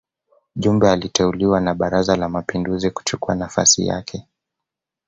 Jumbe aliteuliwa na Baraza la Mapinduzi kuchukua nafasi yake